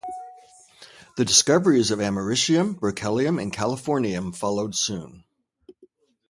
The discoveries of americium, berkelium, and californium followed soon.